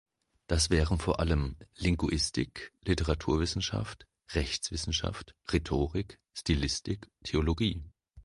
Das wären vor allem: Linguistik, Literaturwissenschaft, Rechtswissenschaft, Rhetorik, Stilistik, Theologie.